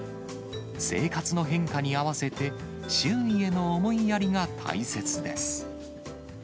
生活の変化に合わせて、周囲への思いやりが大切です。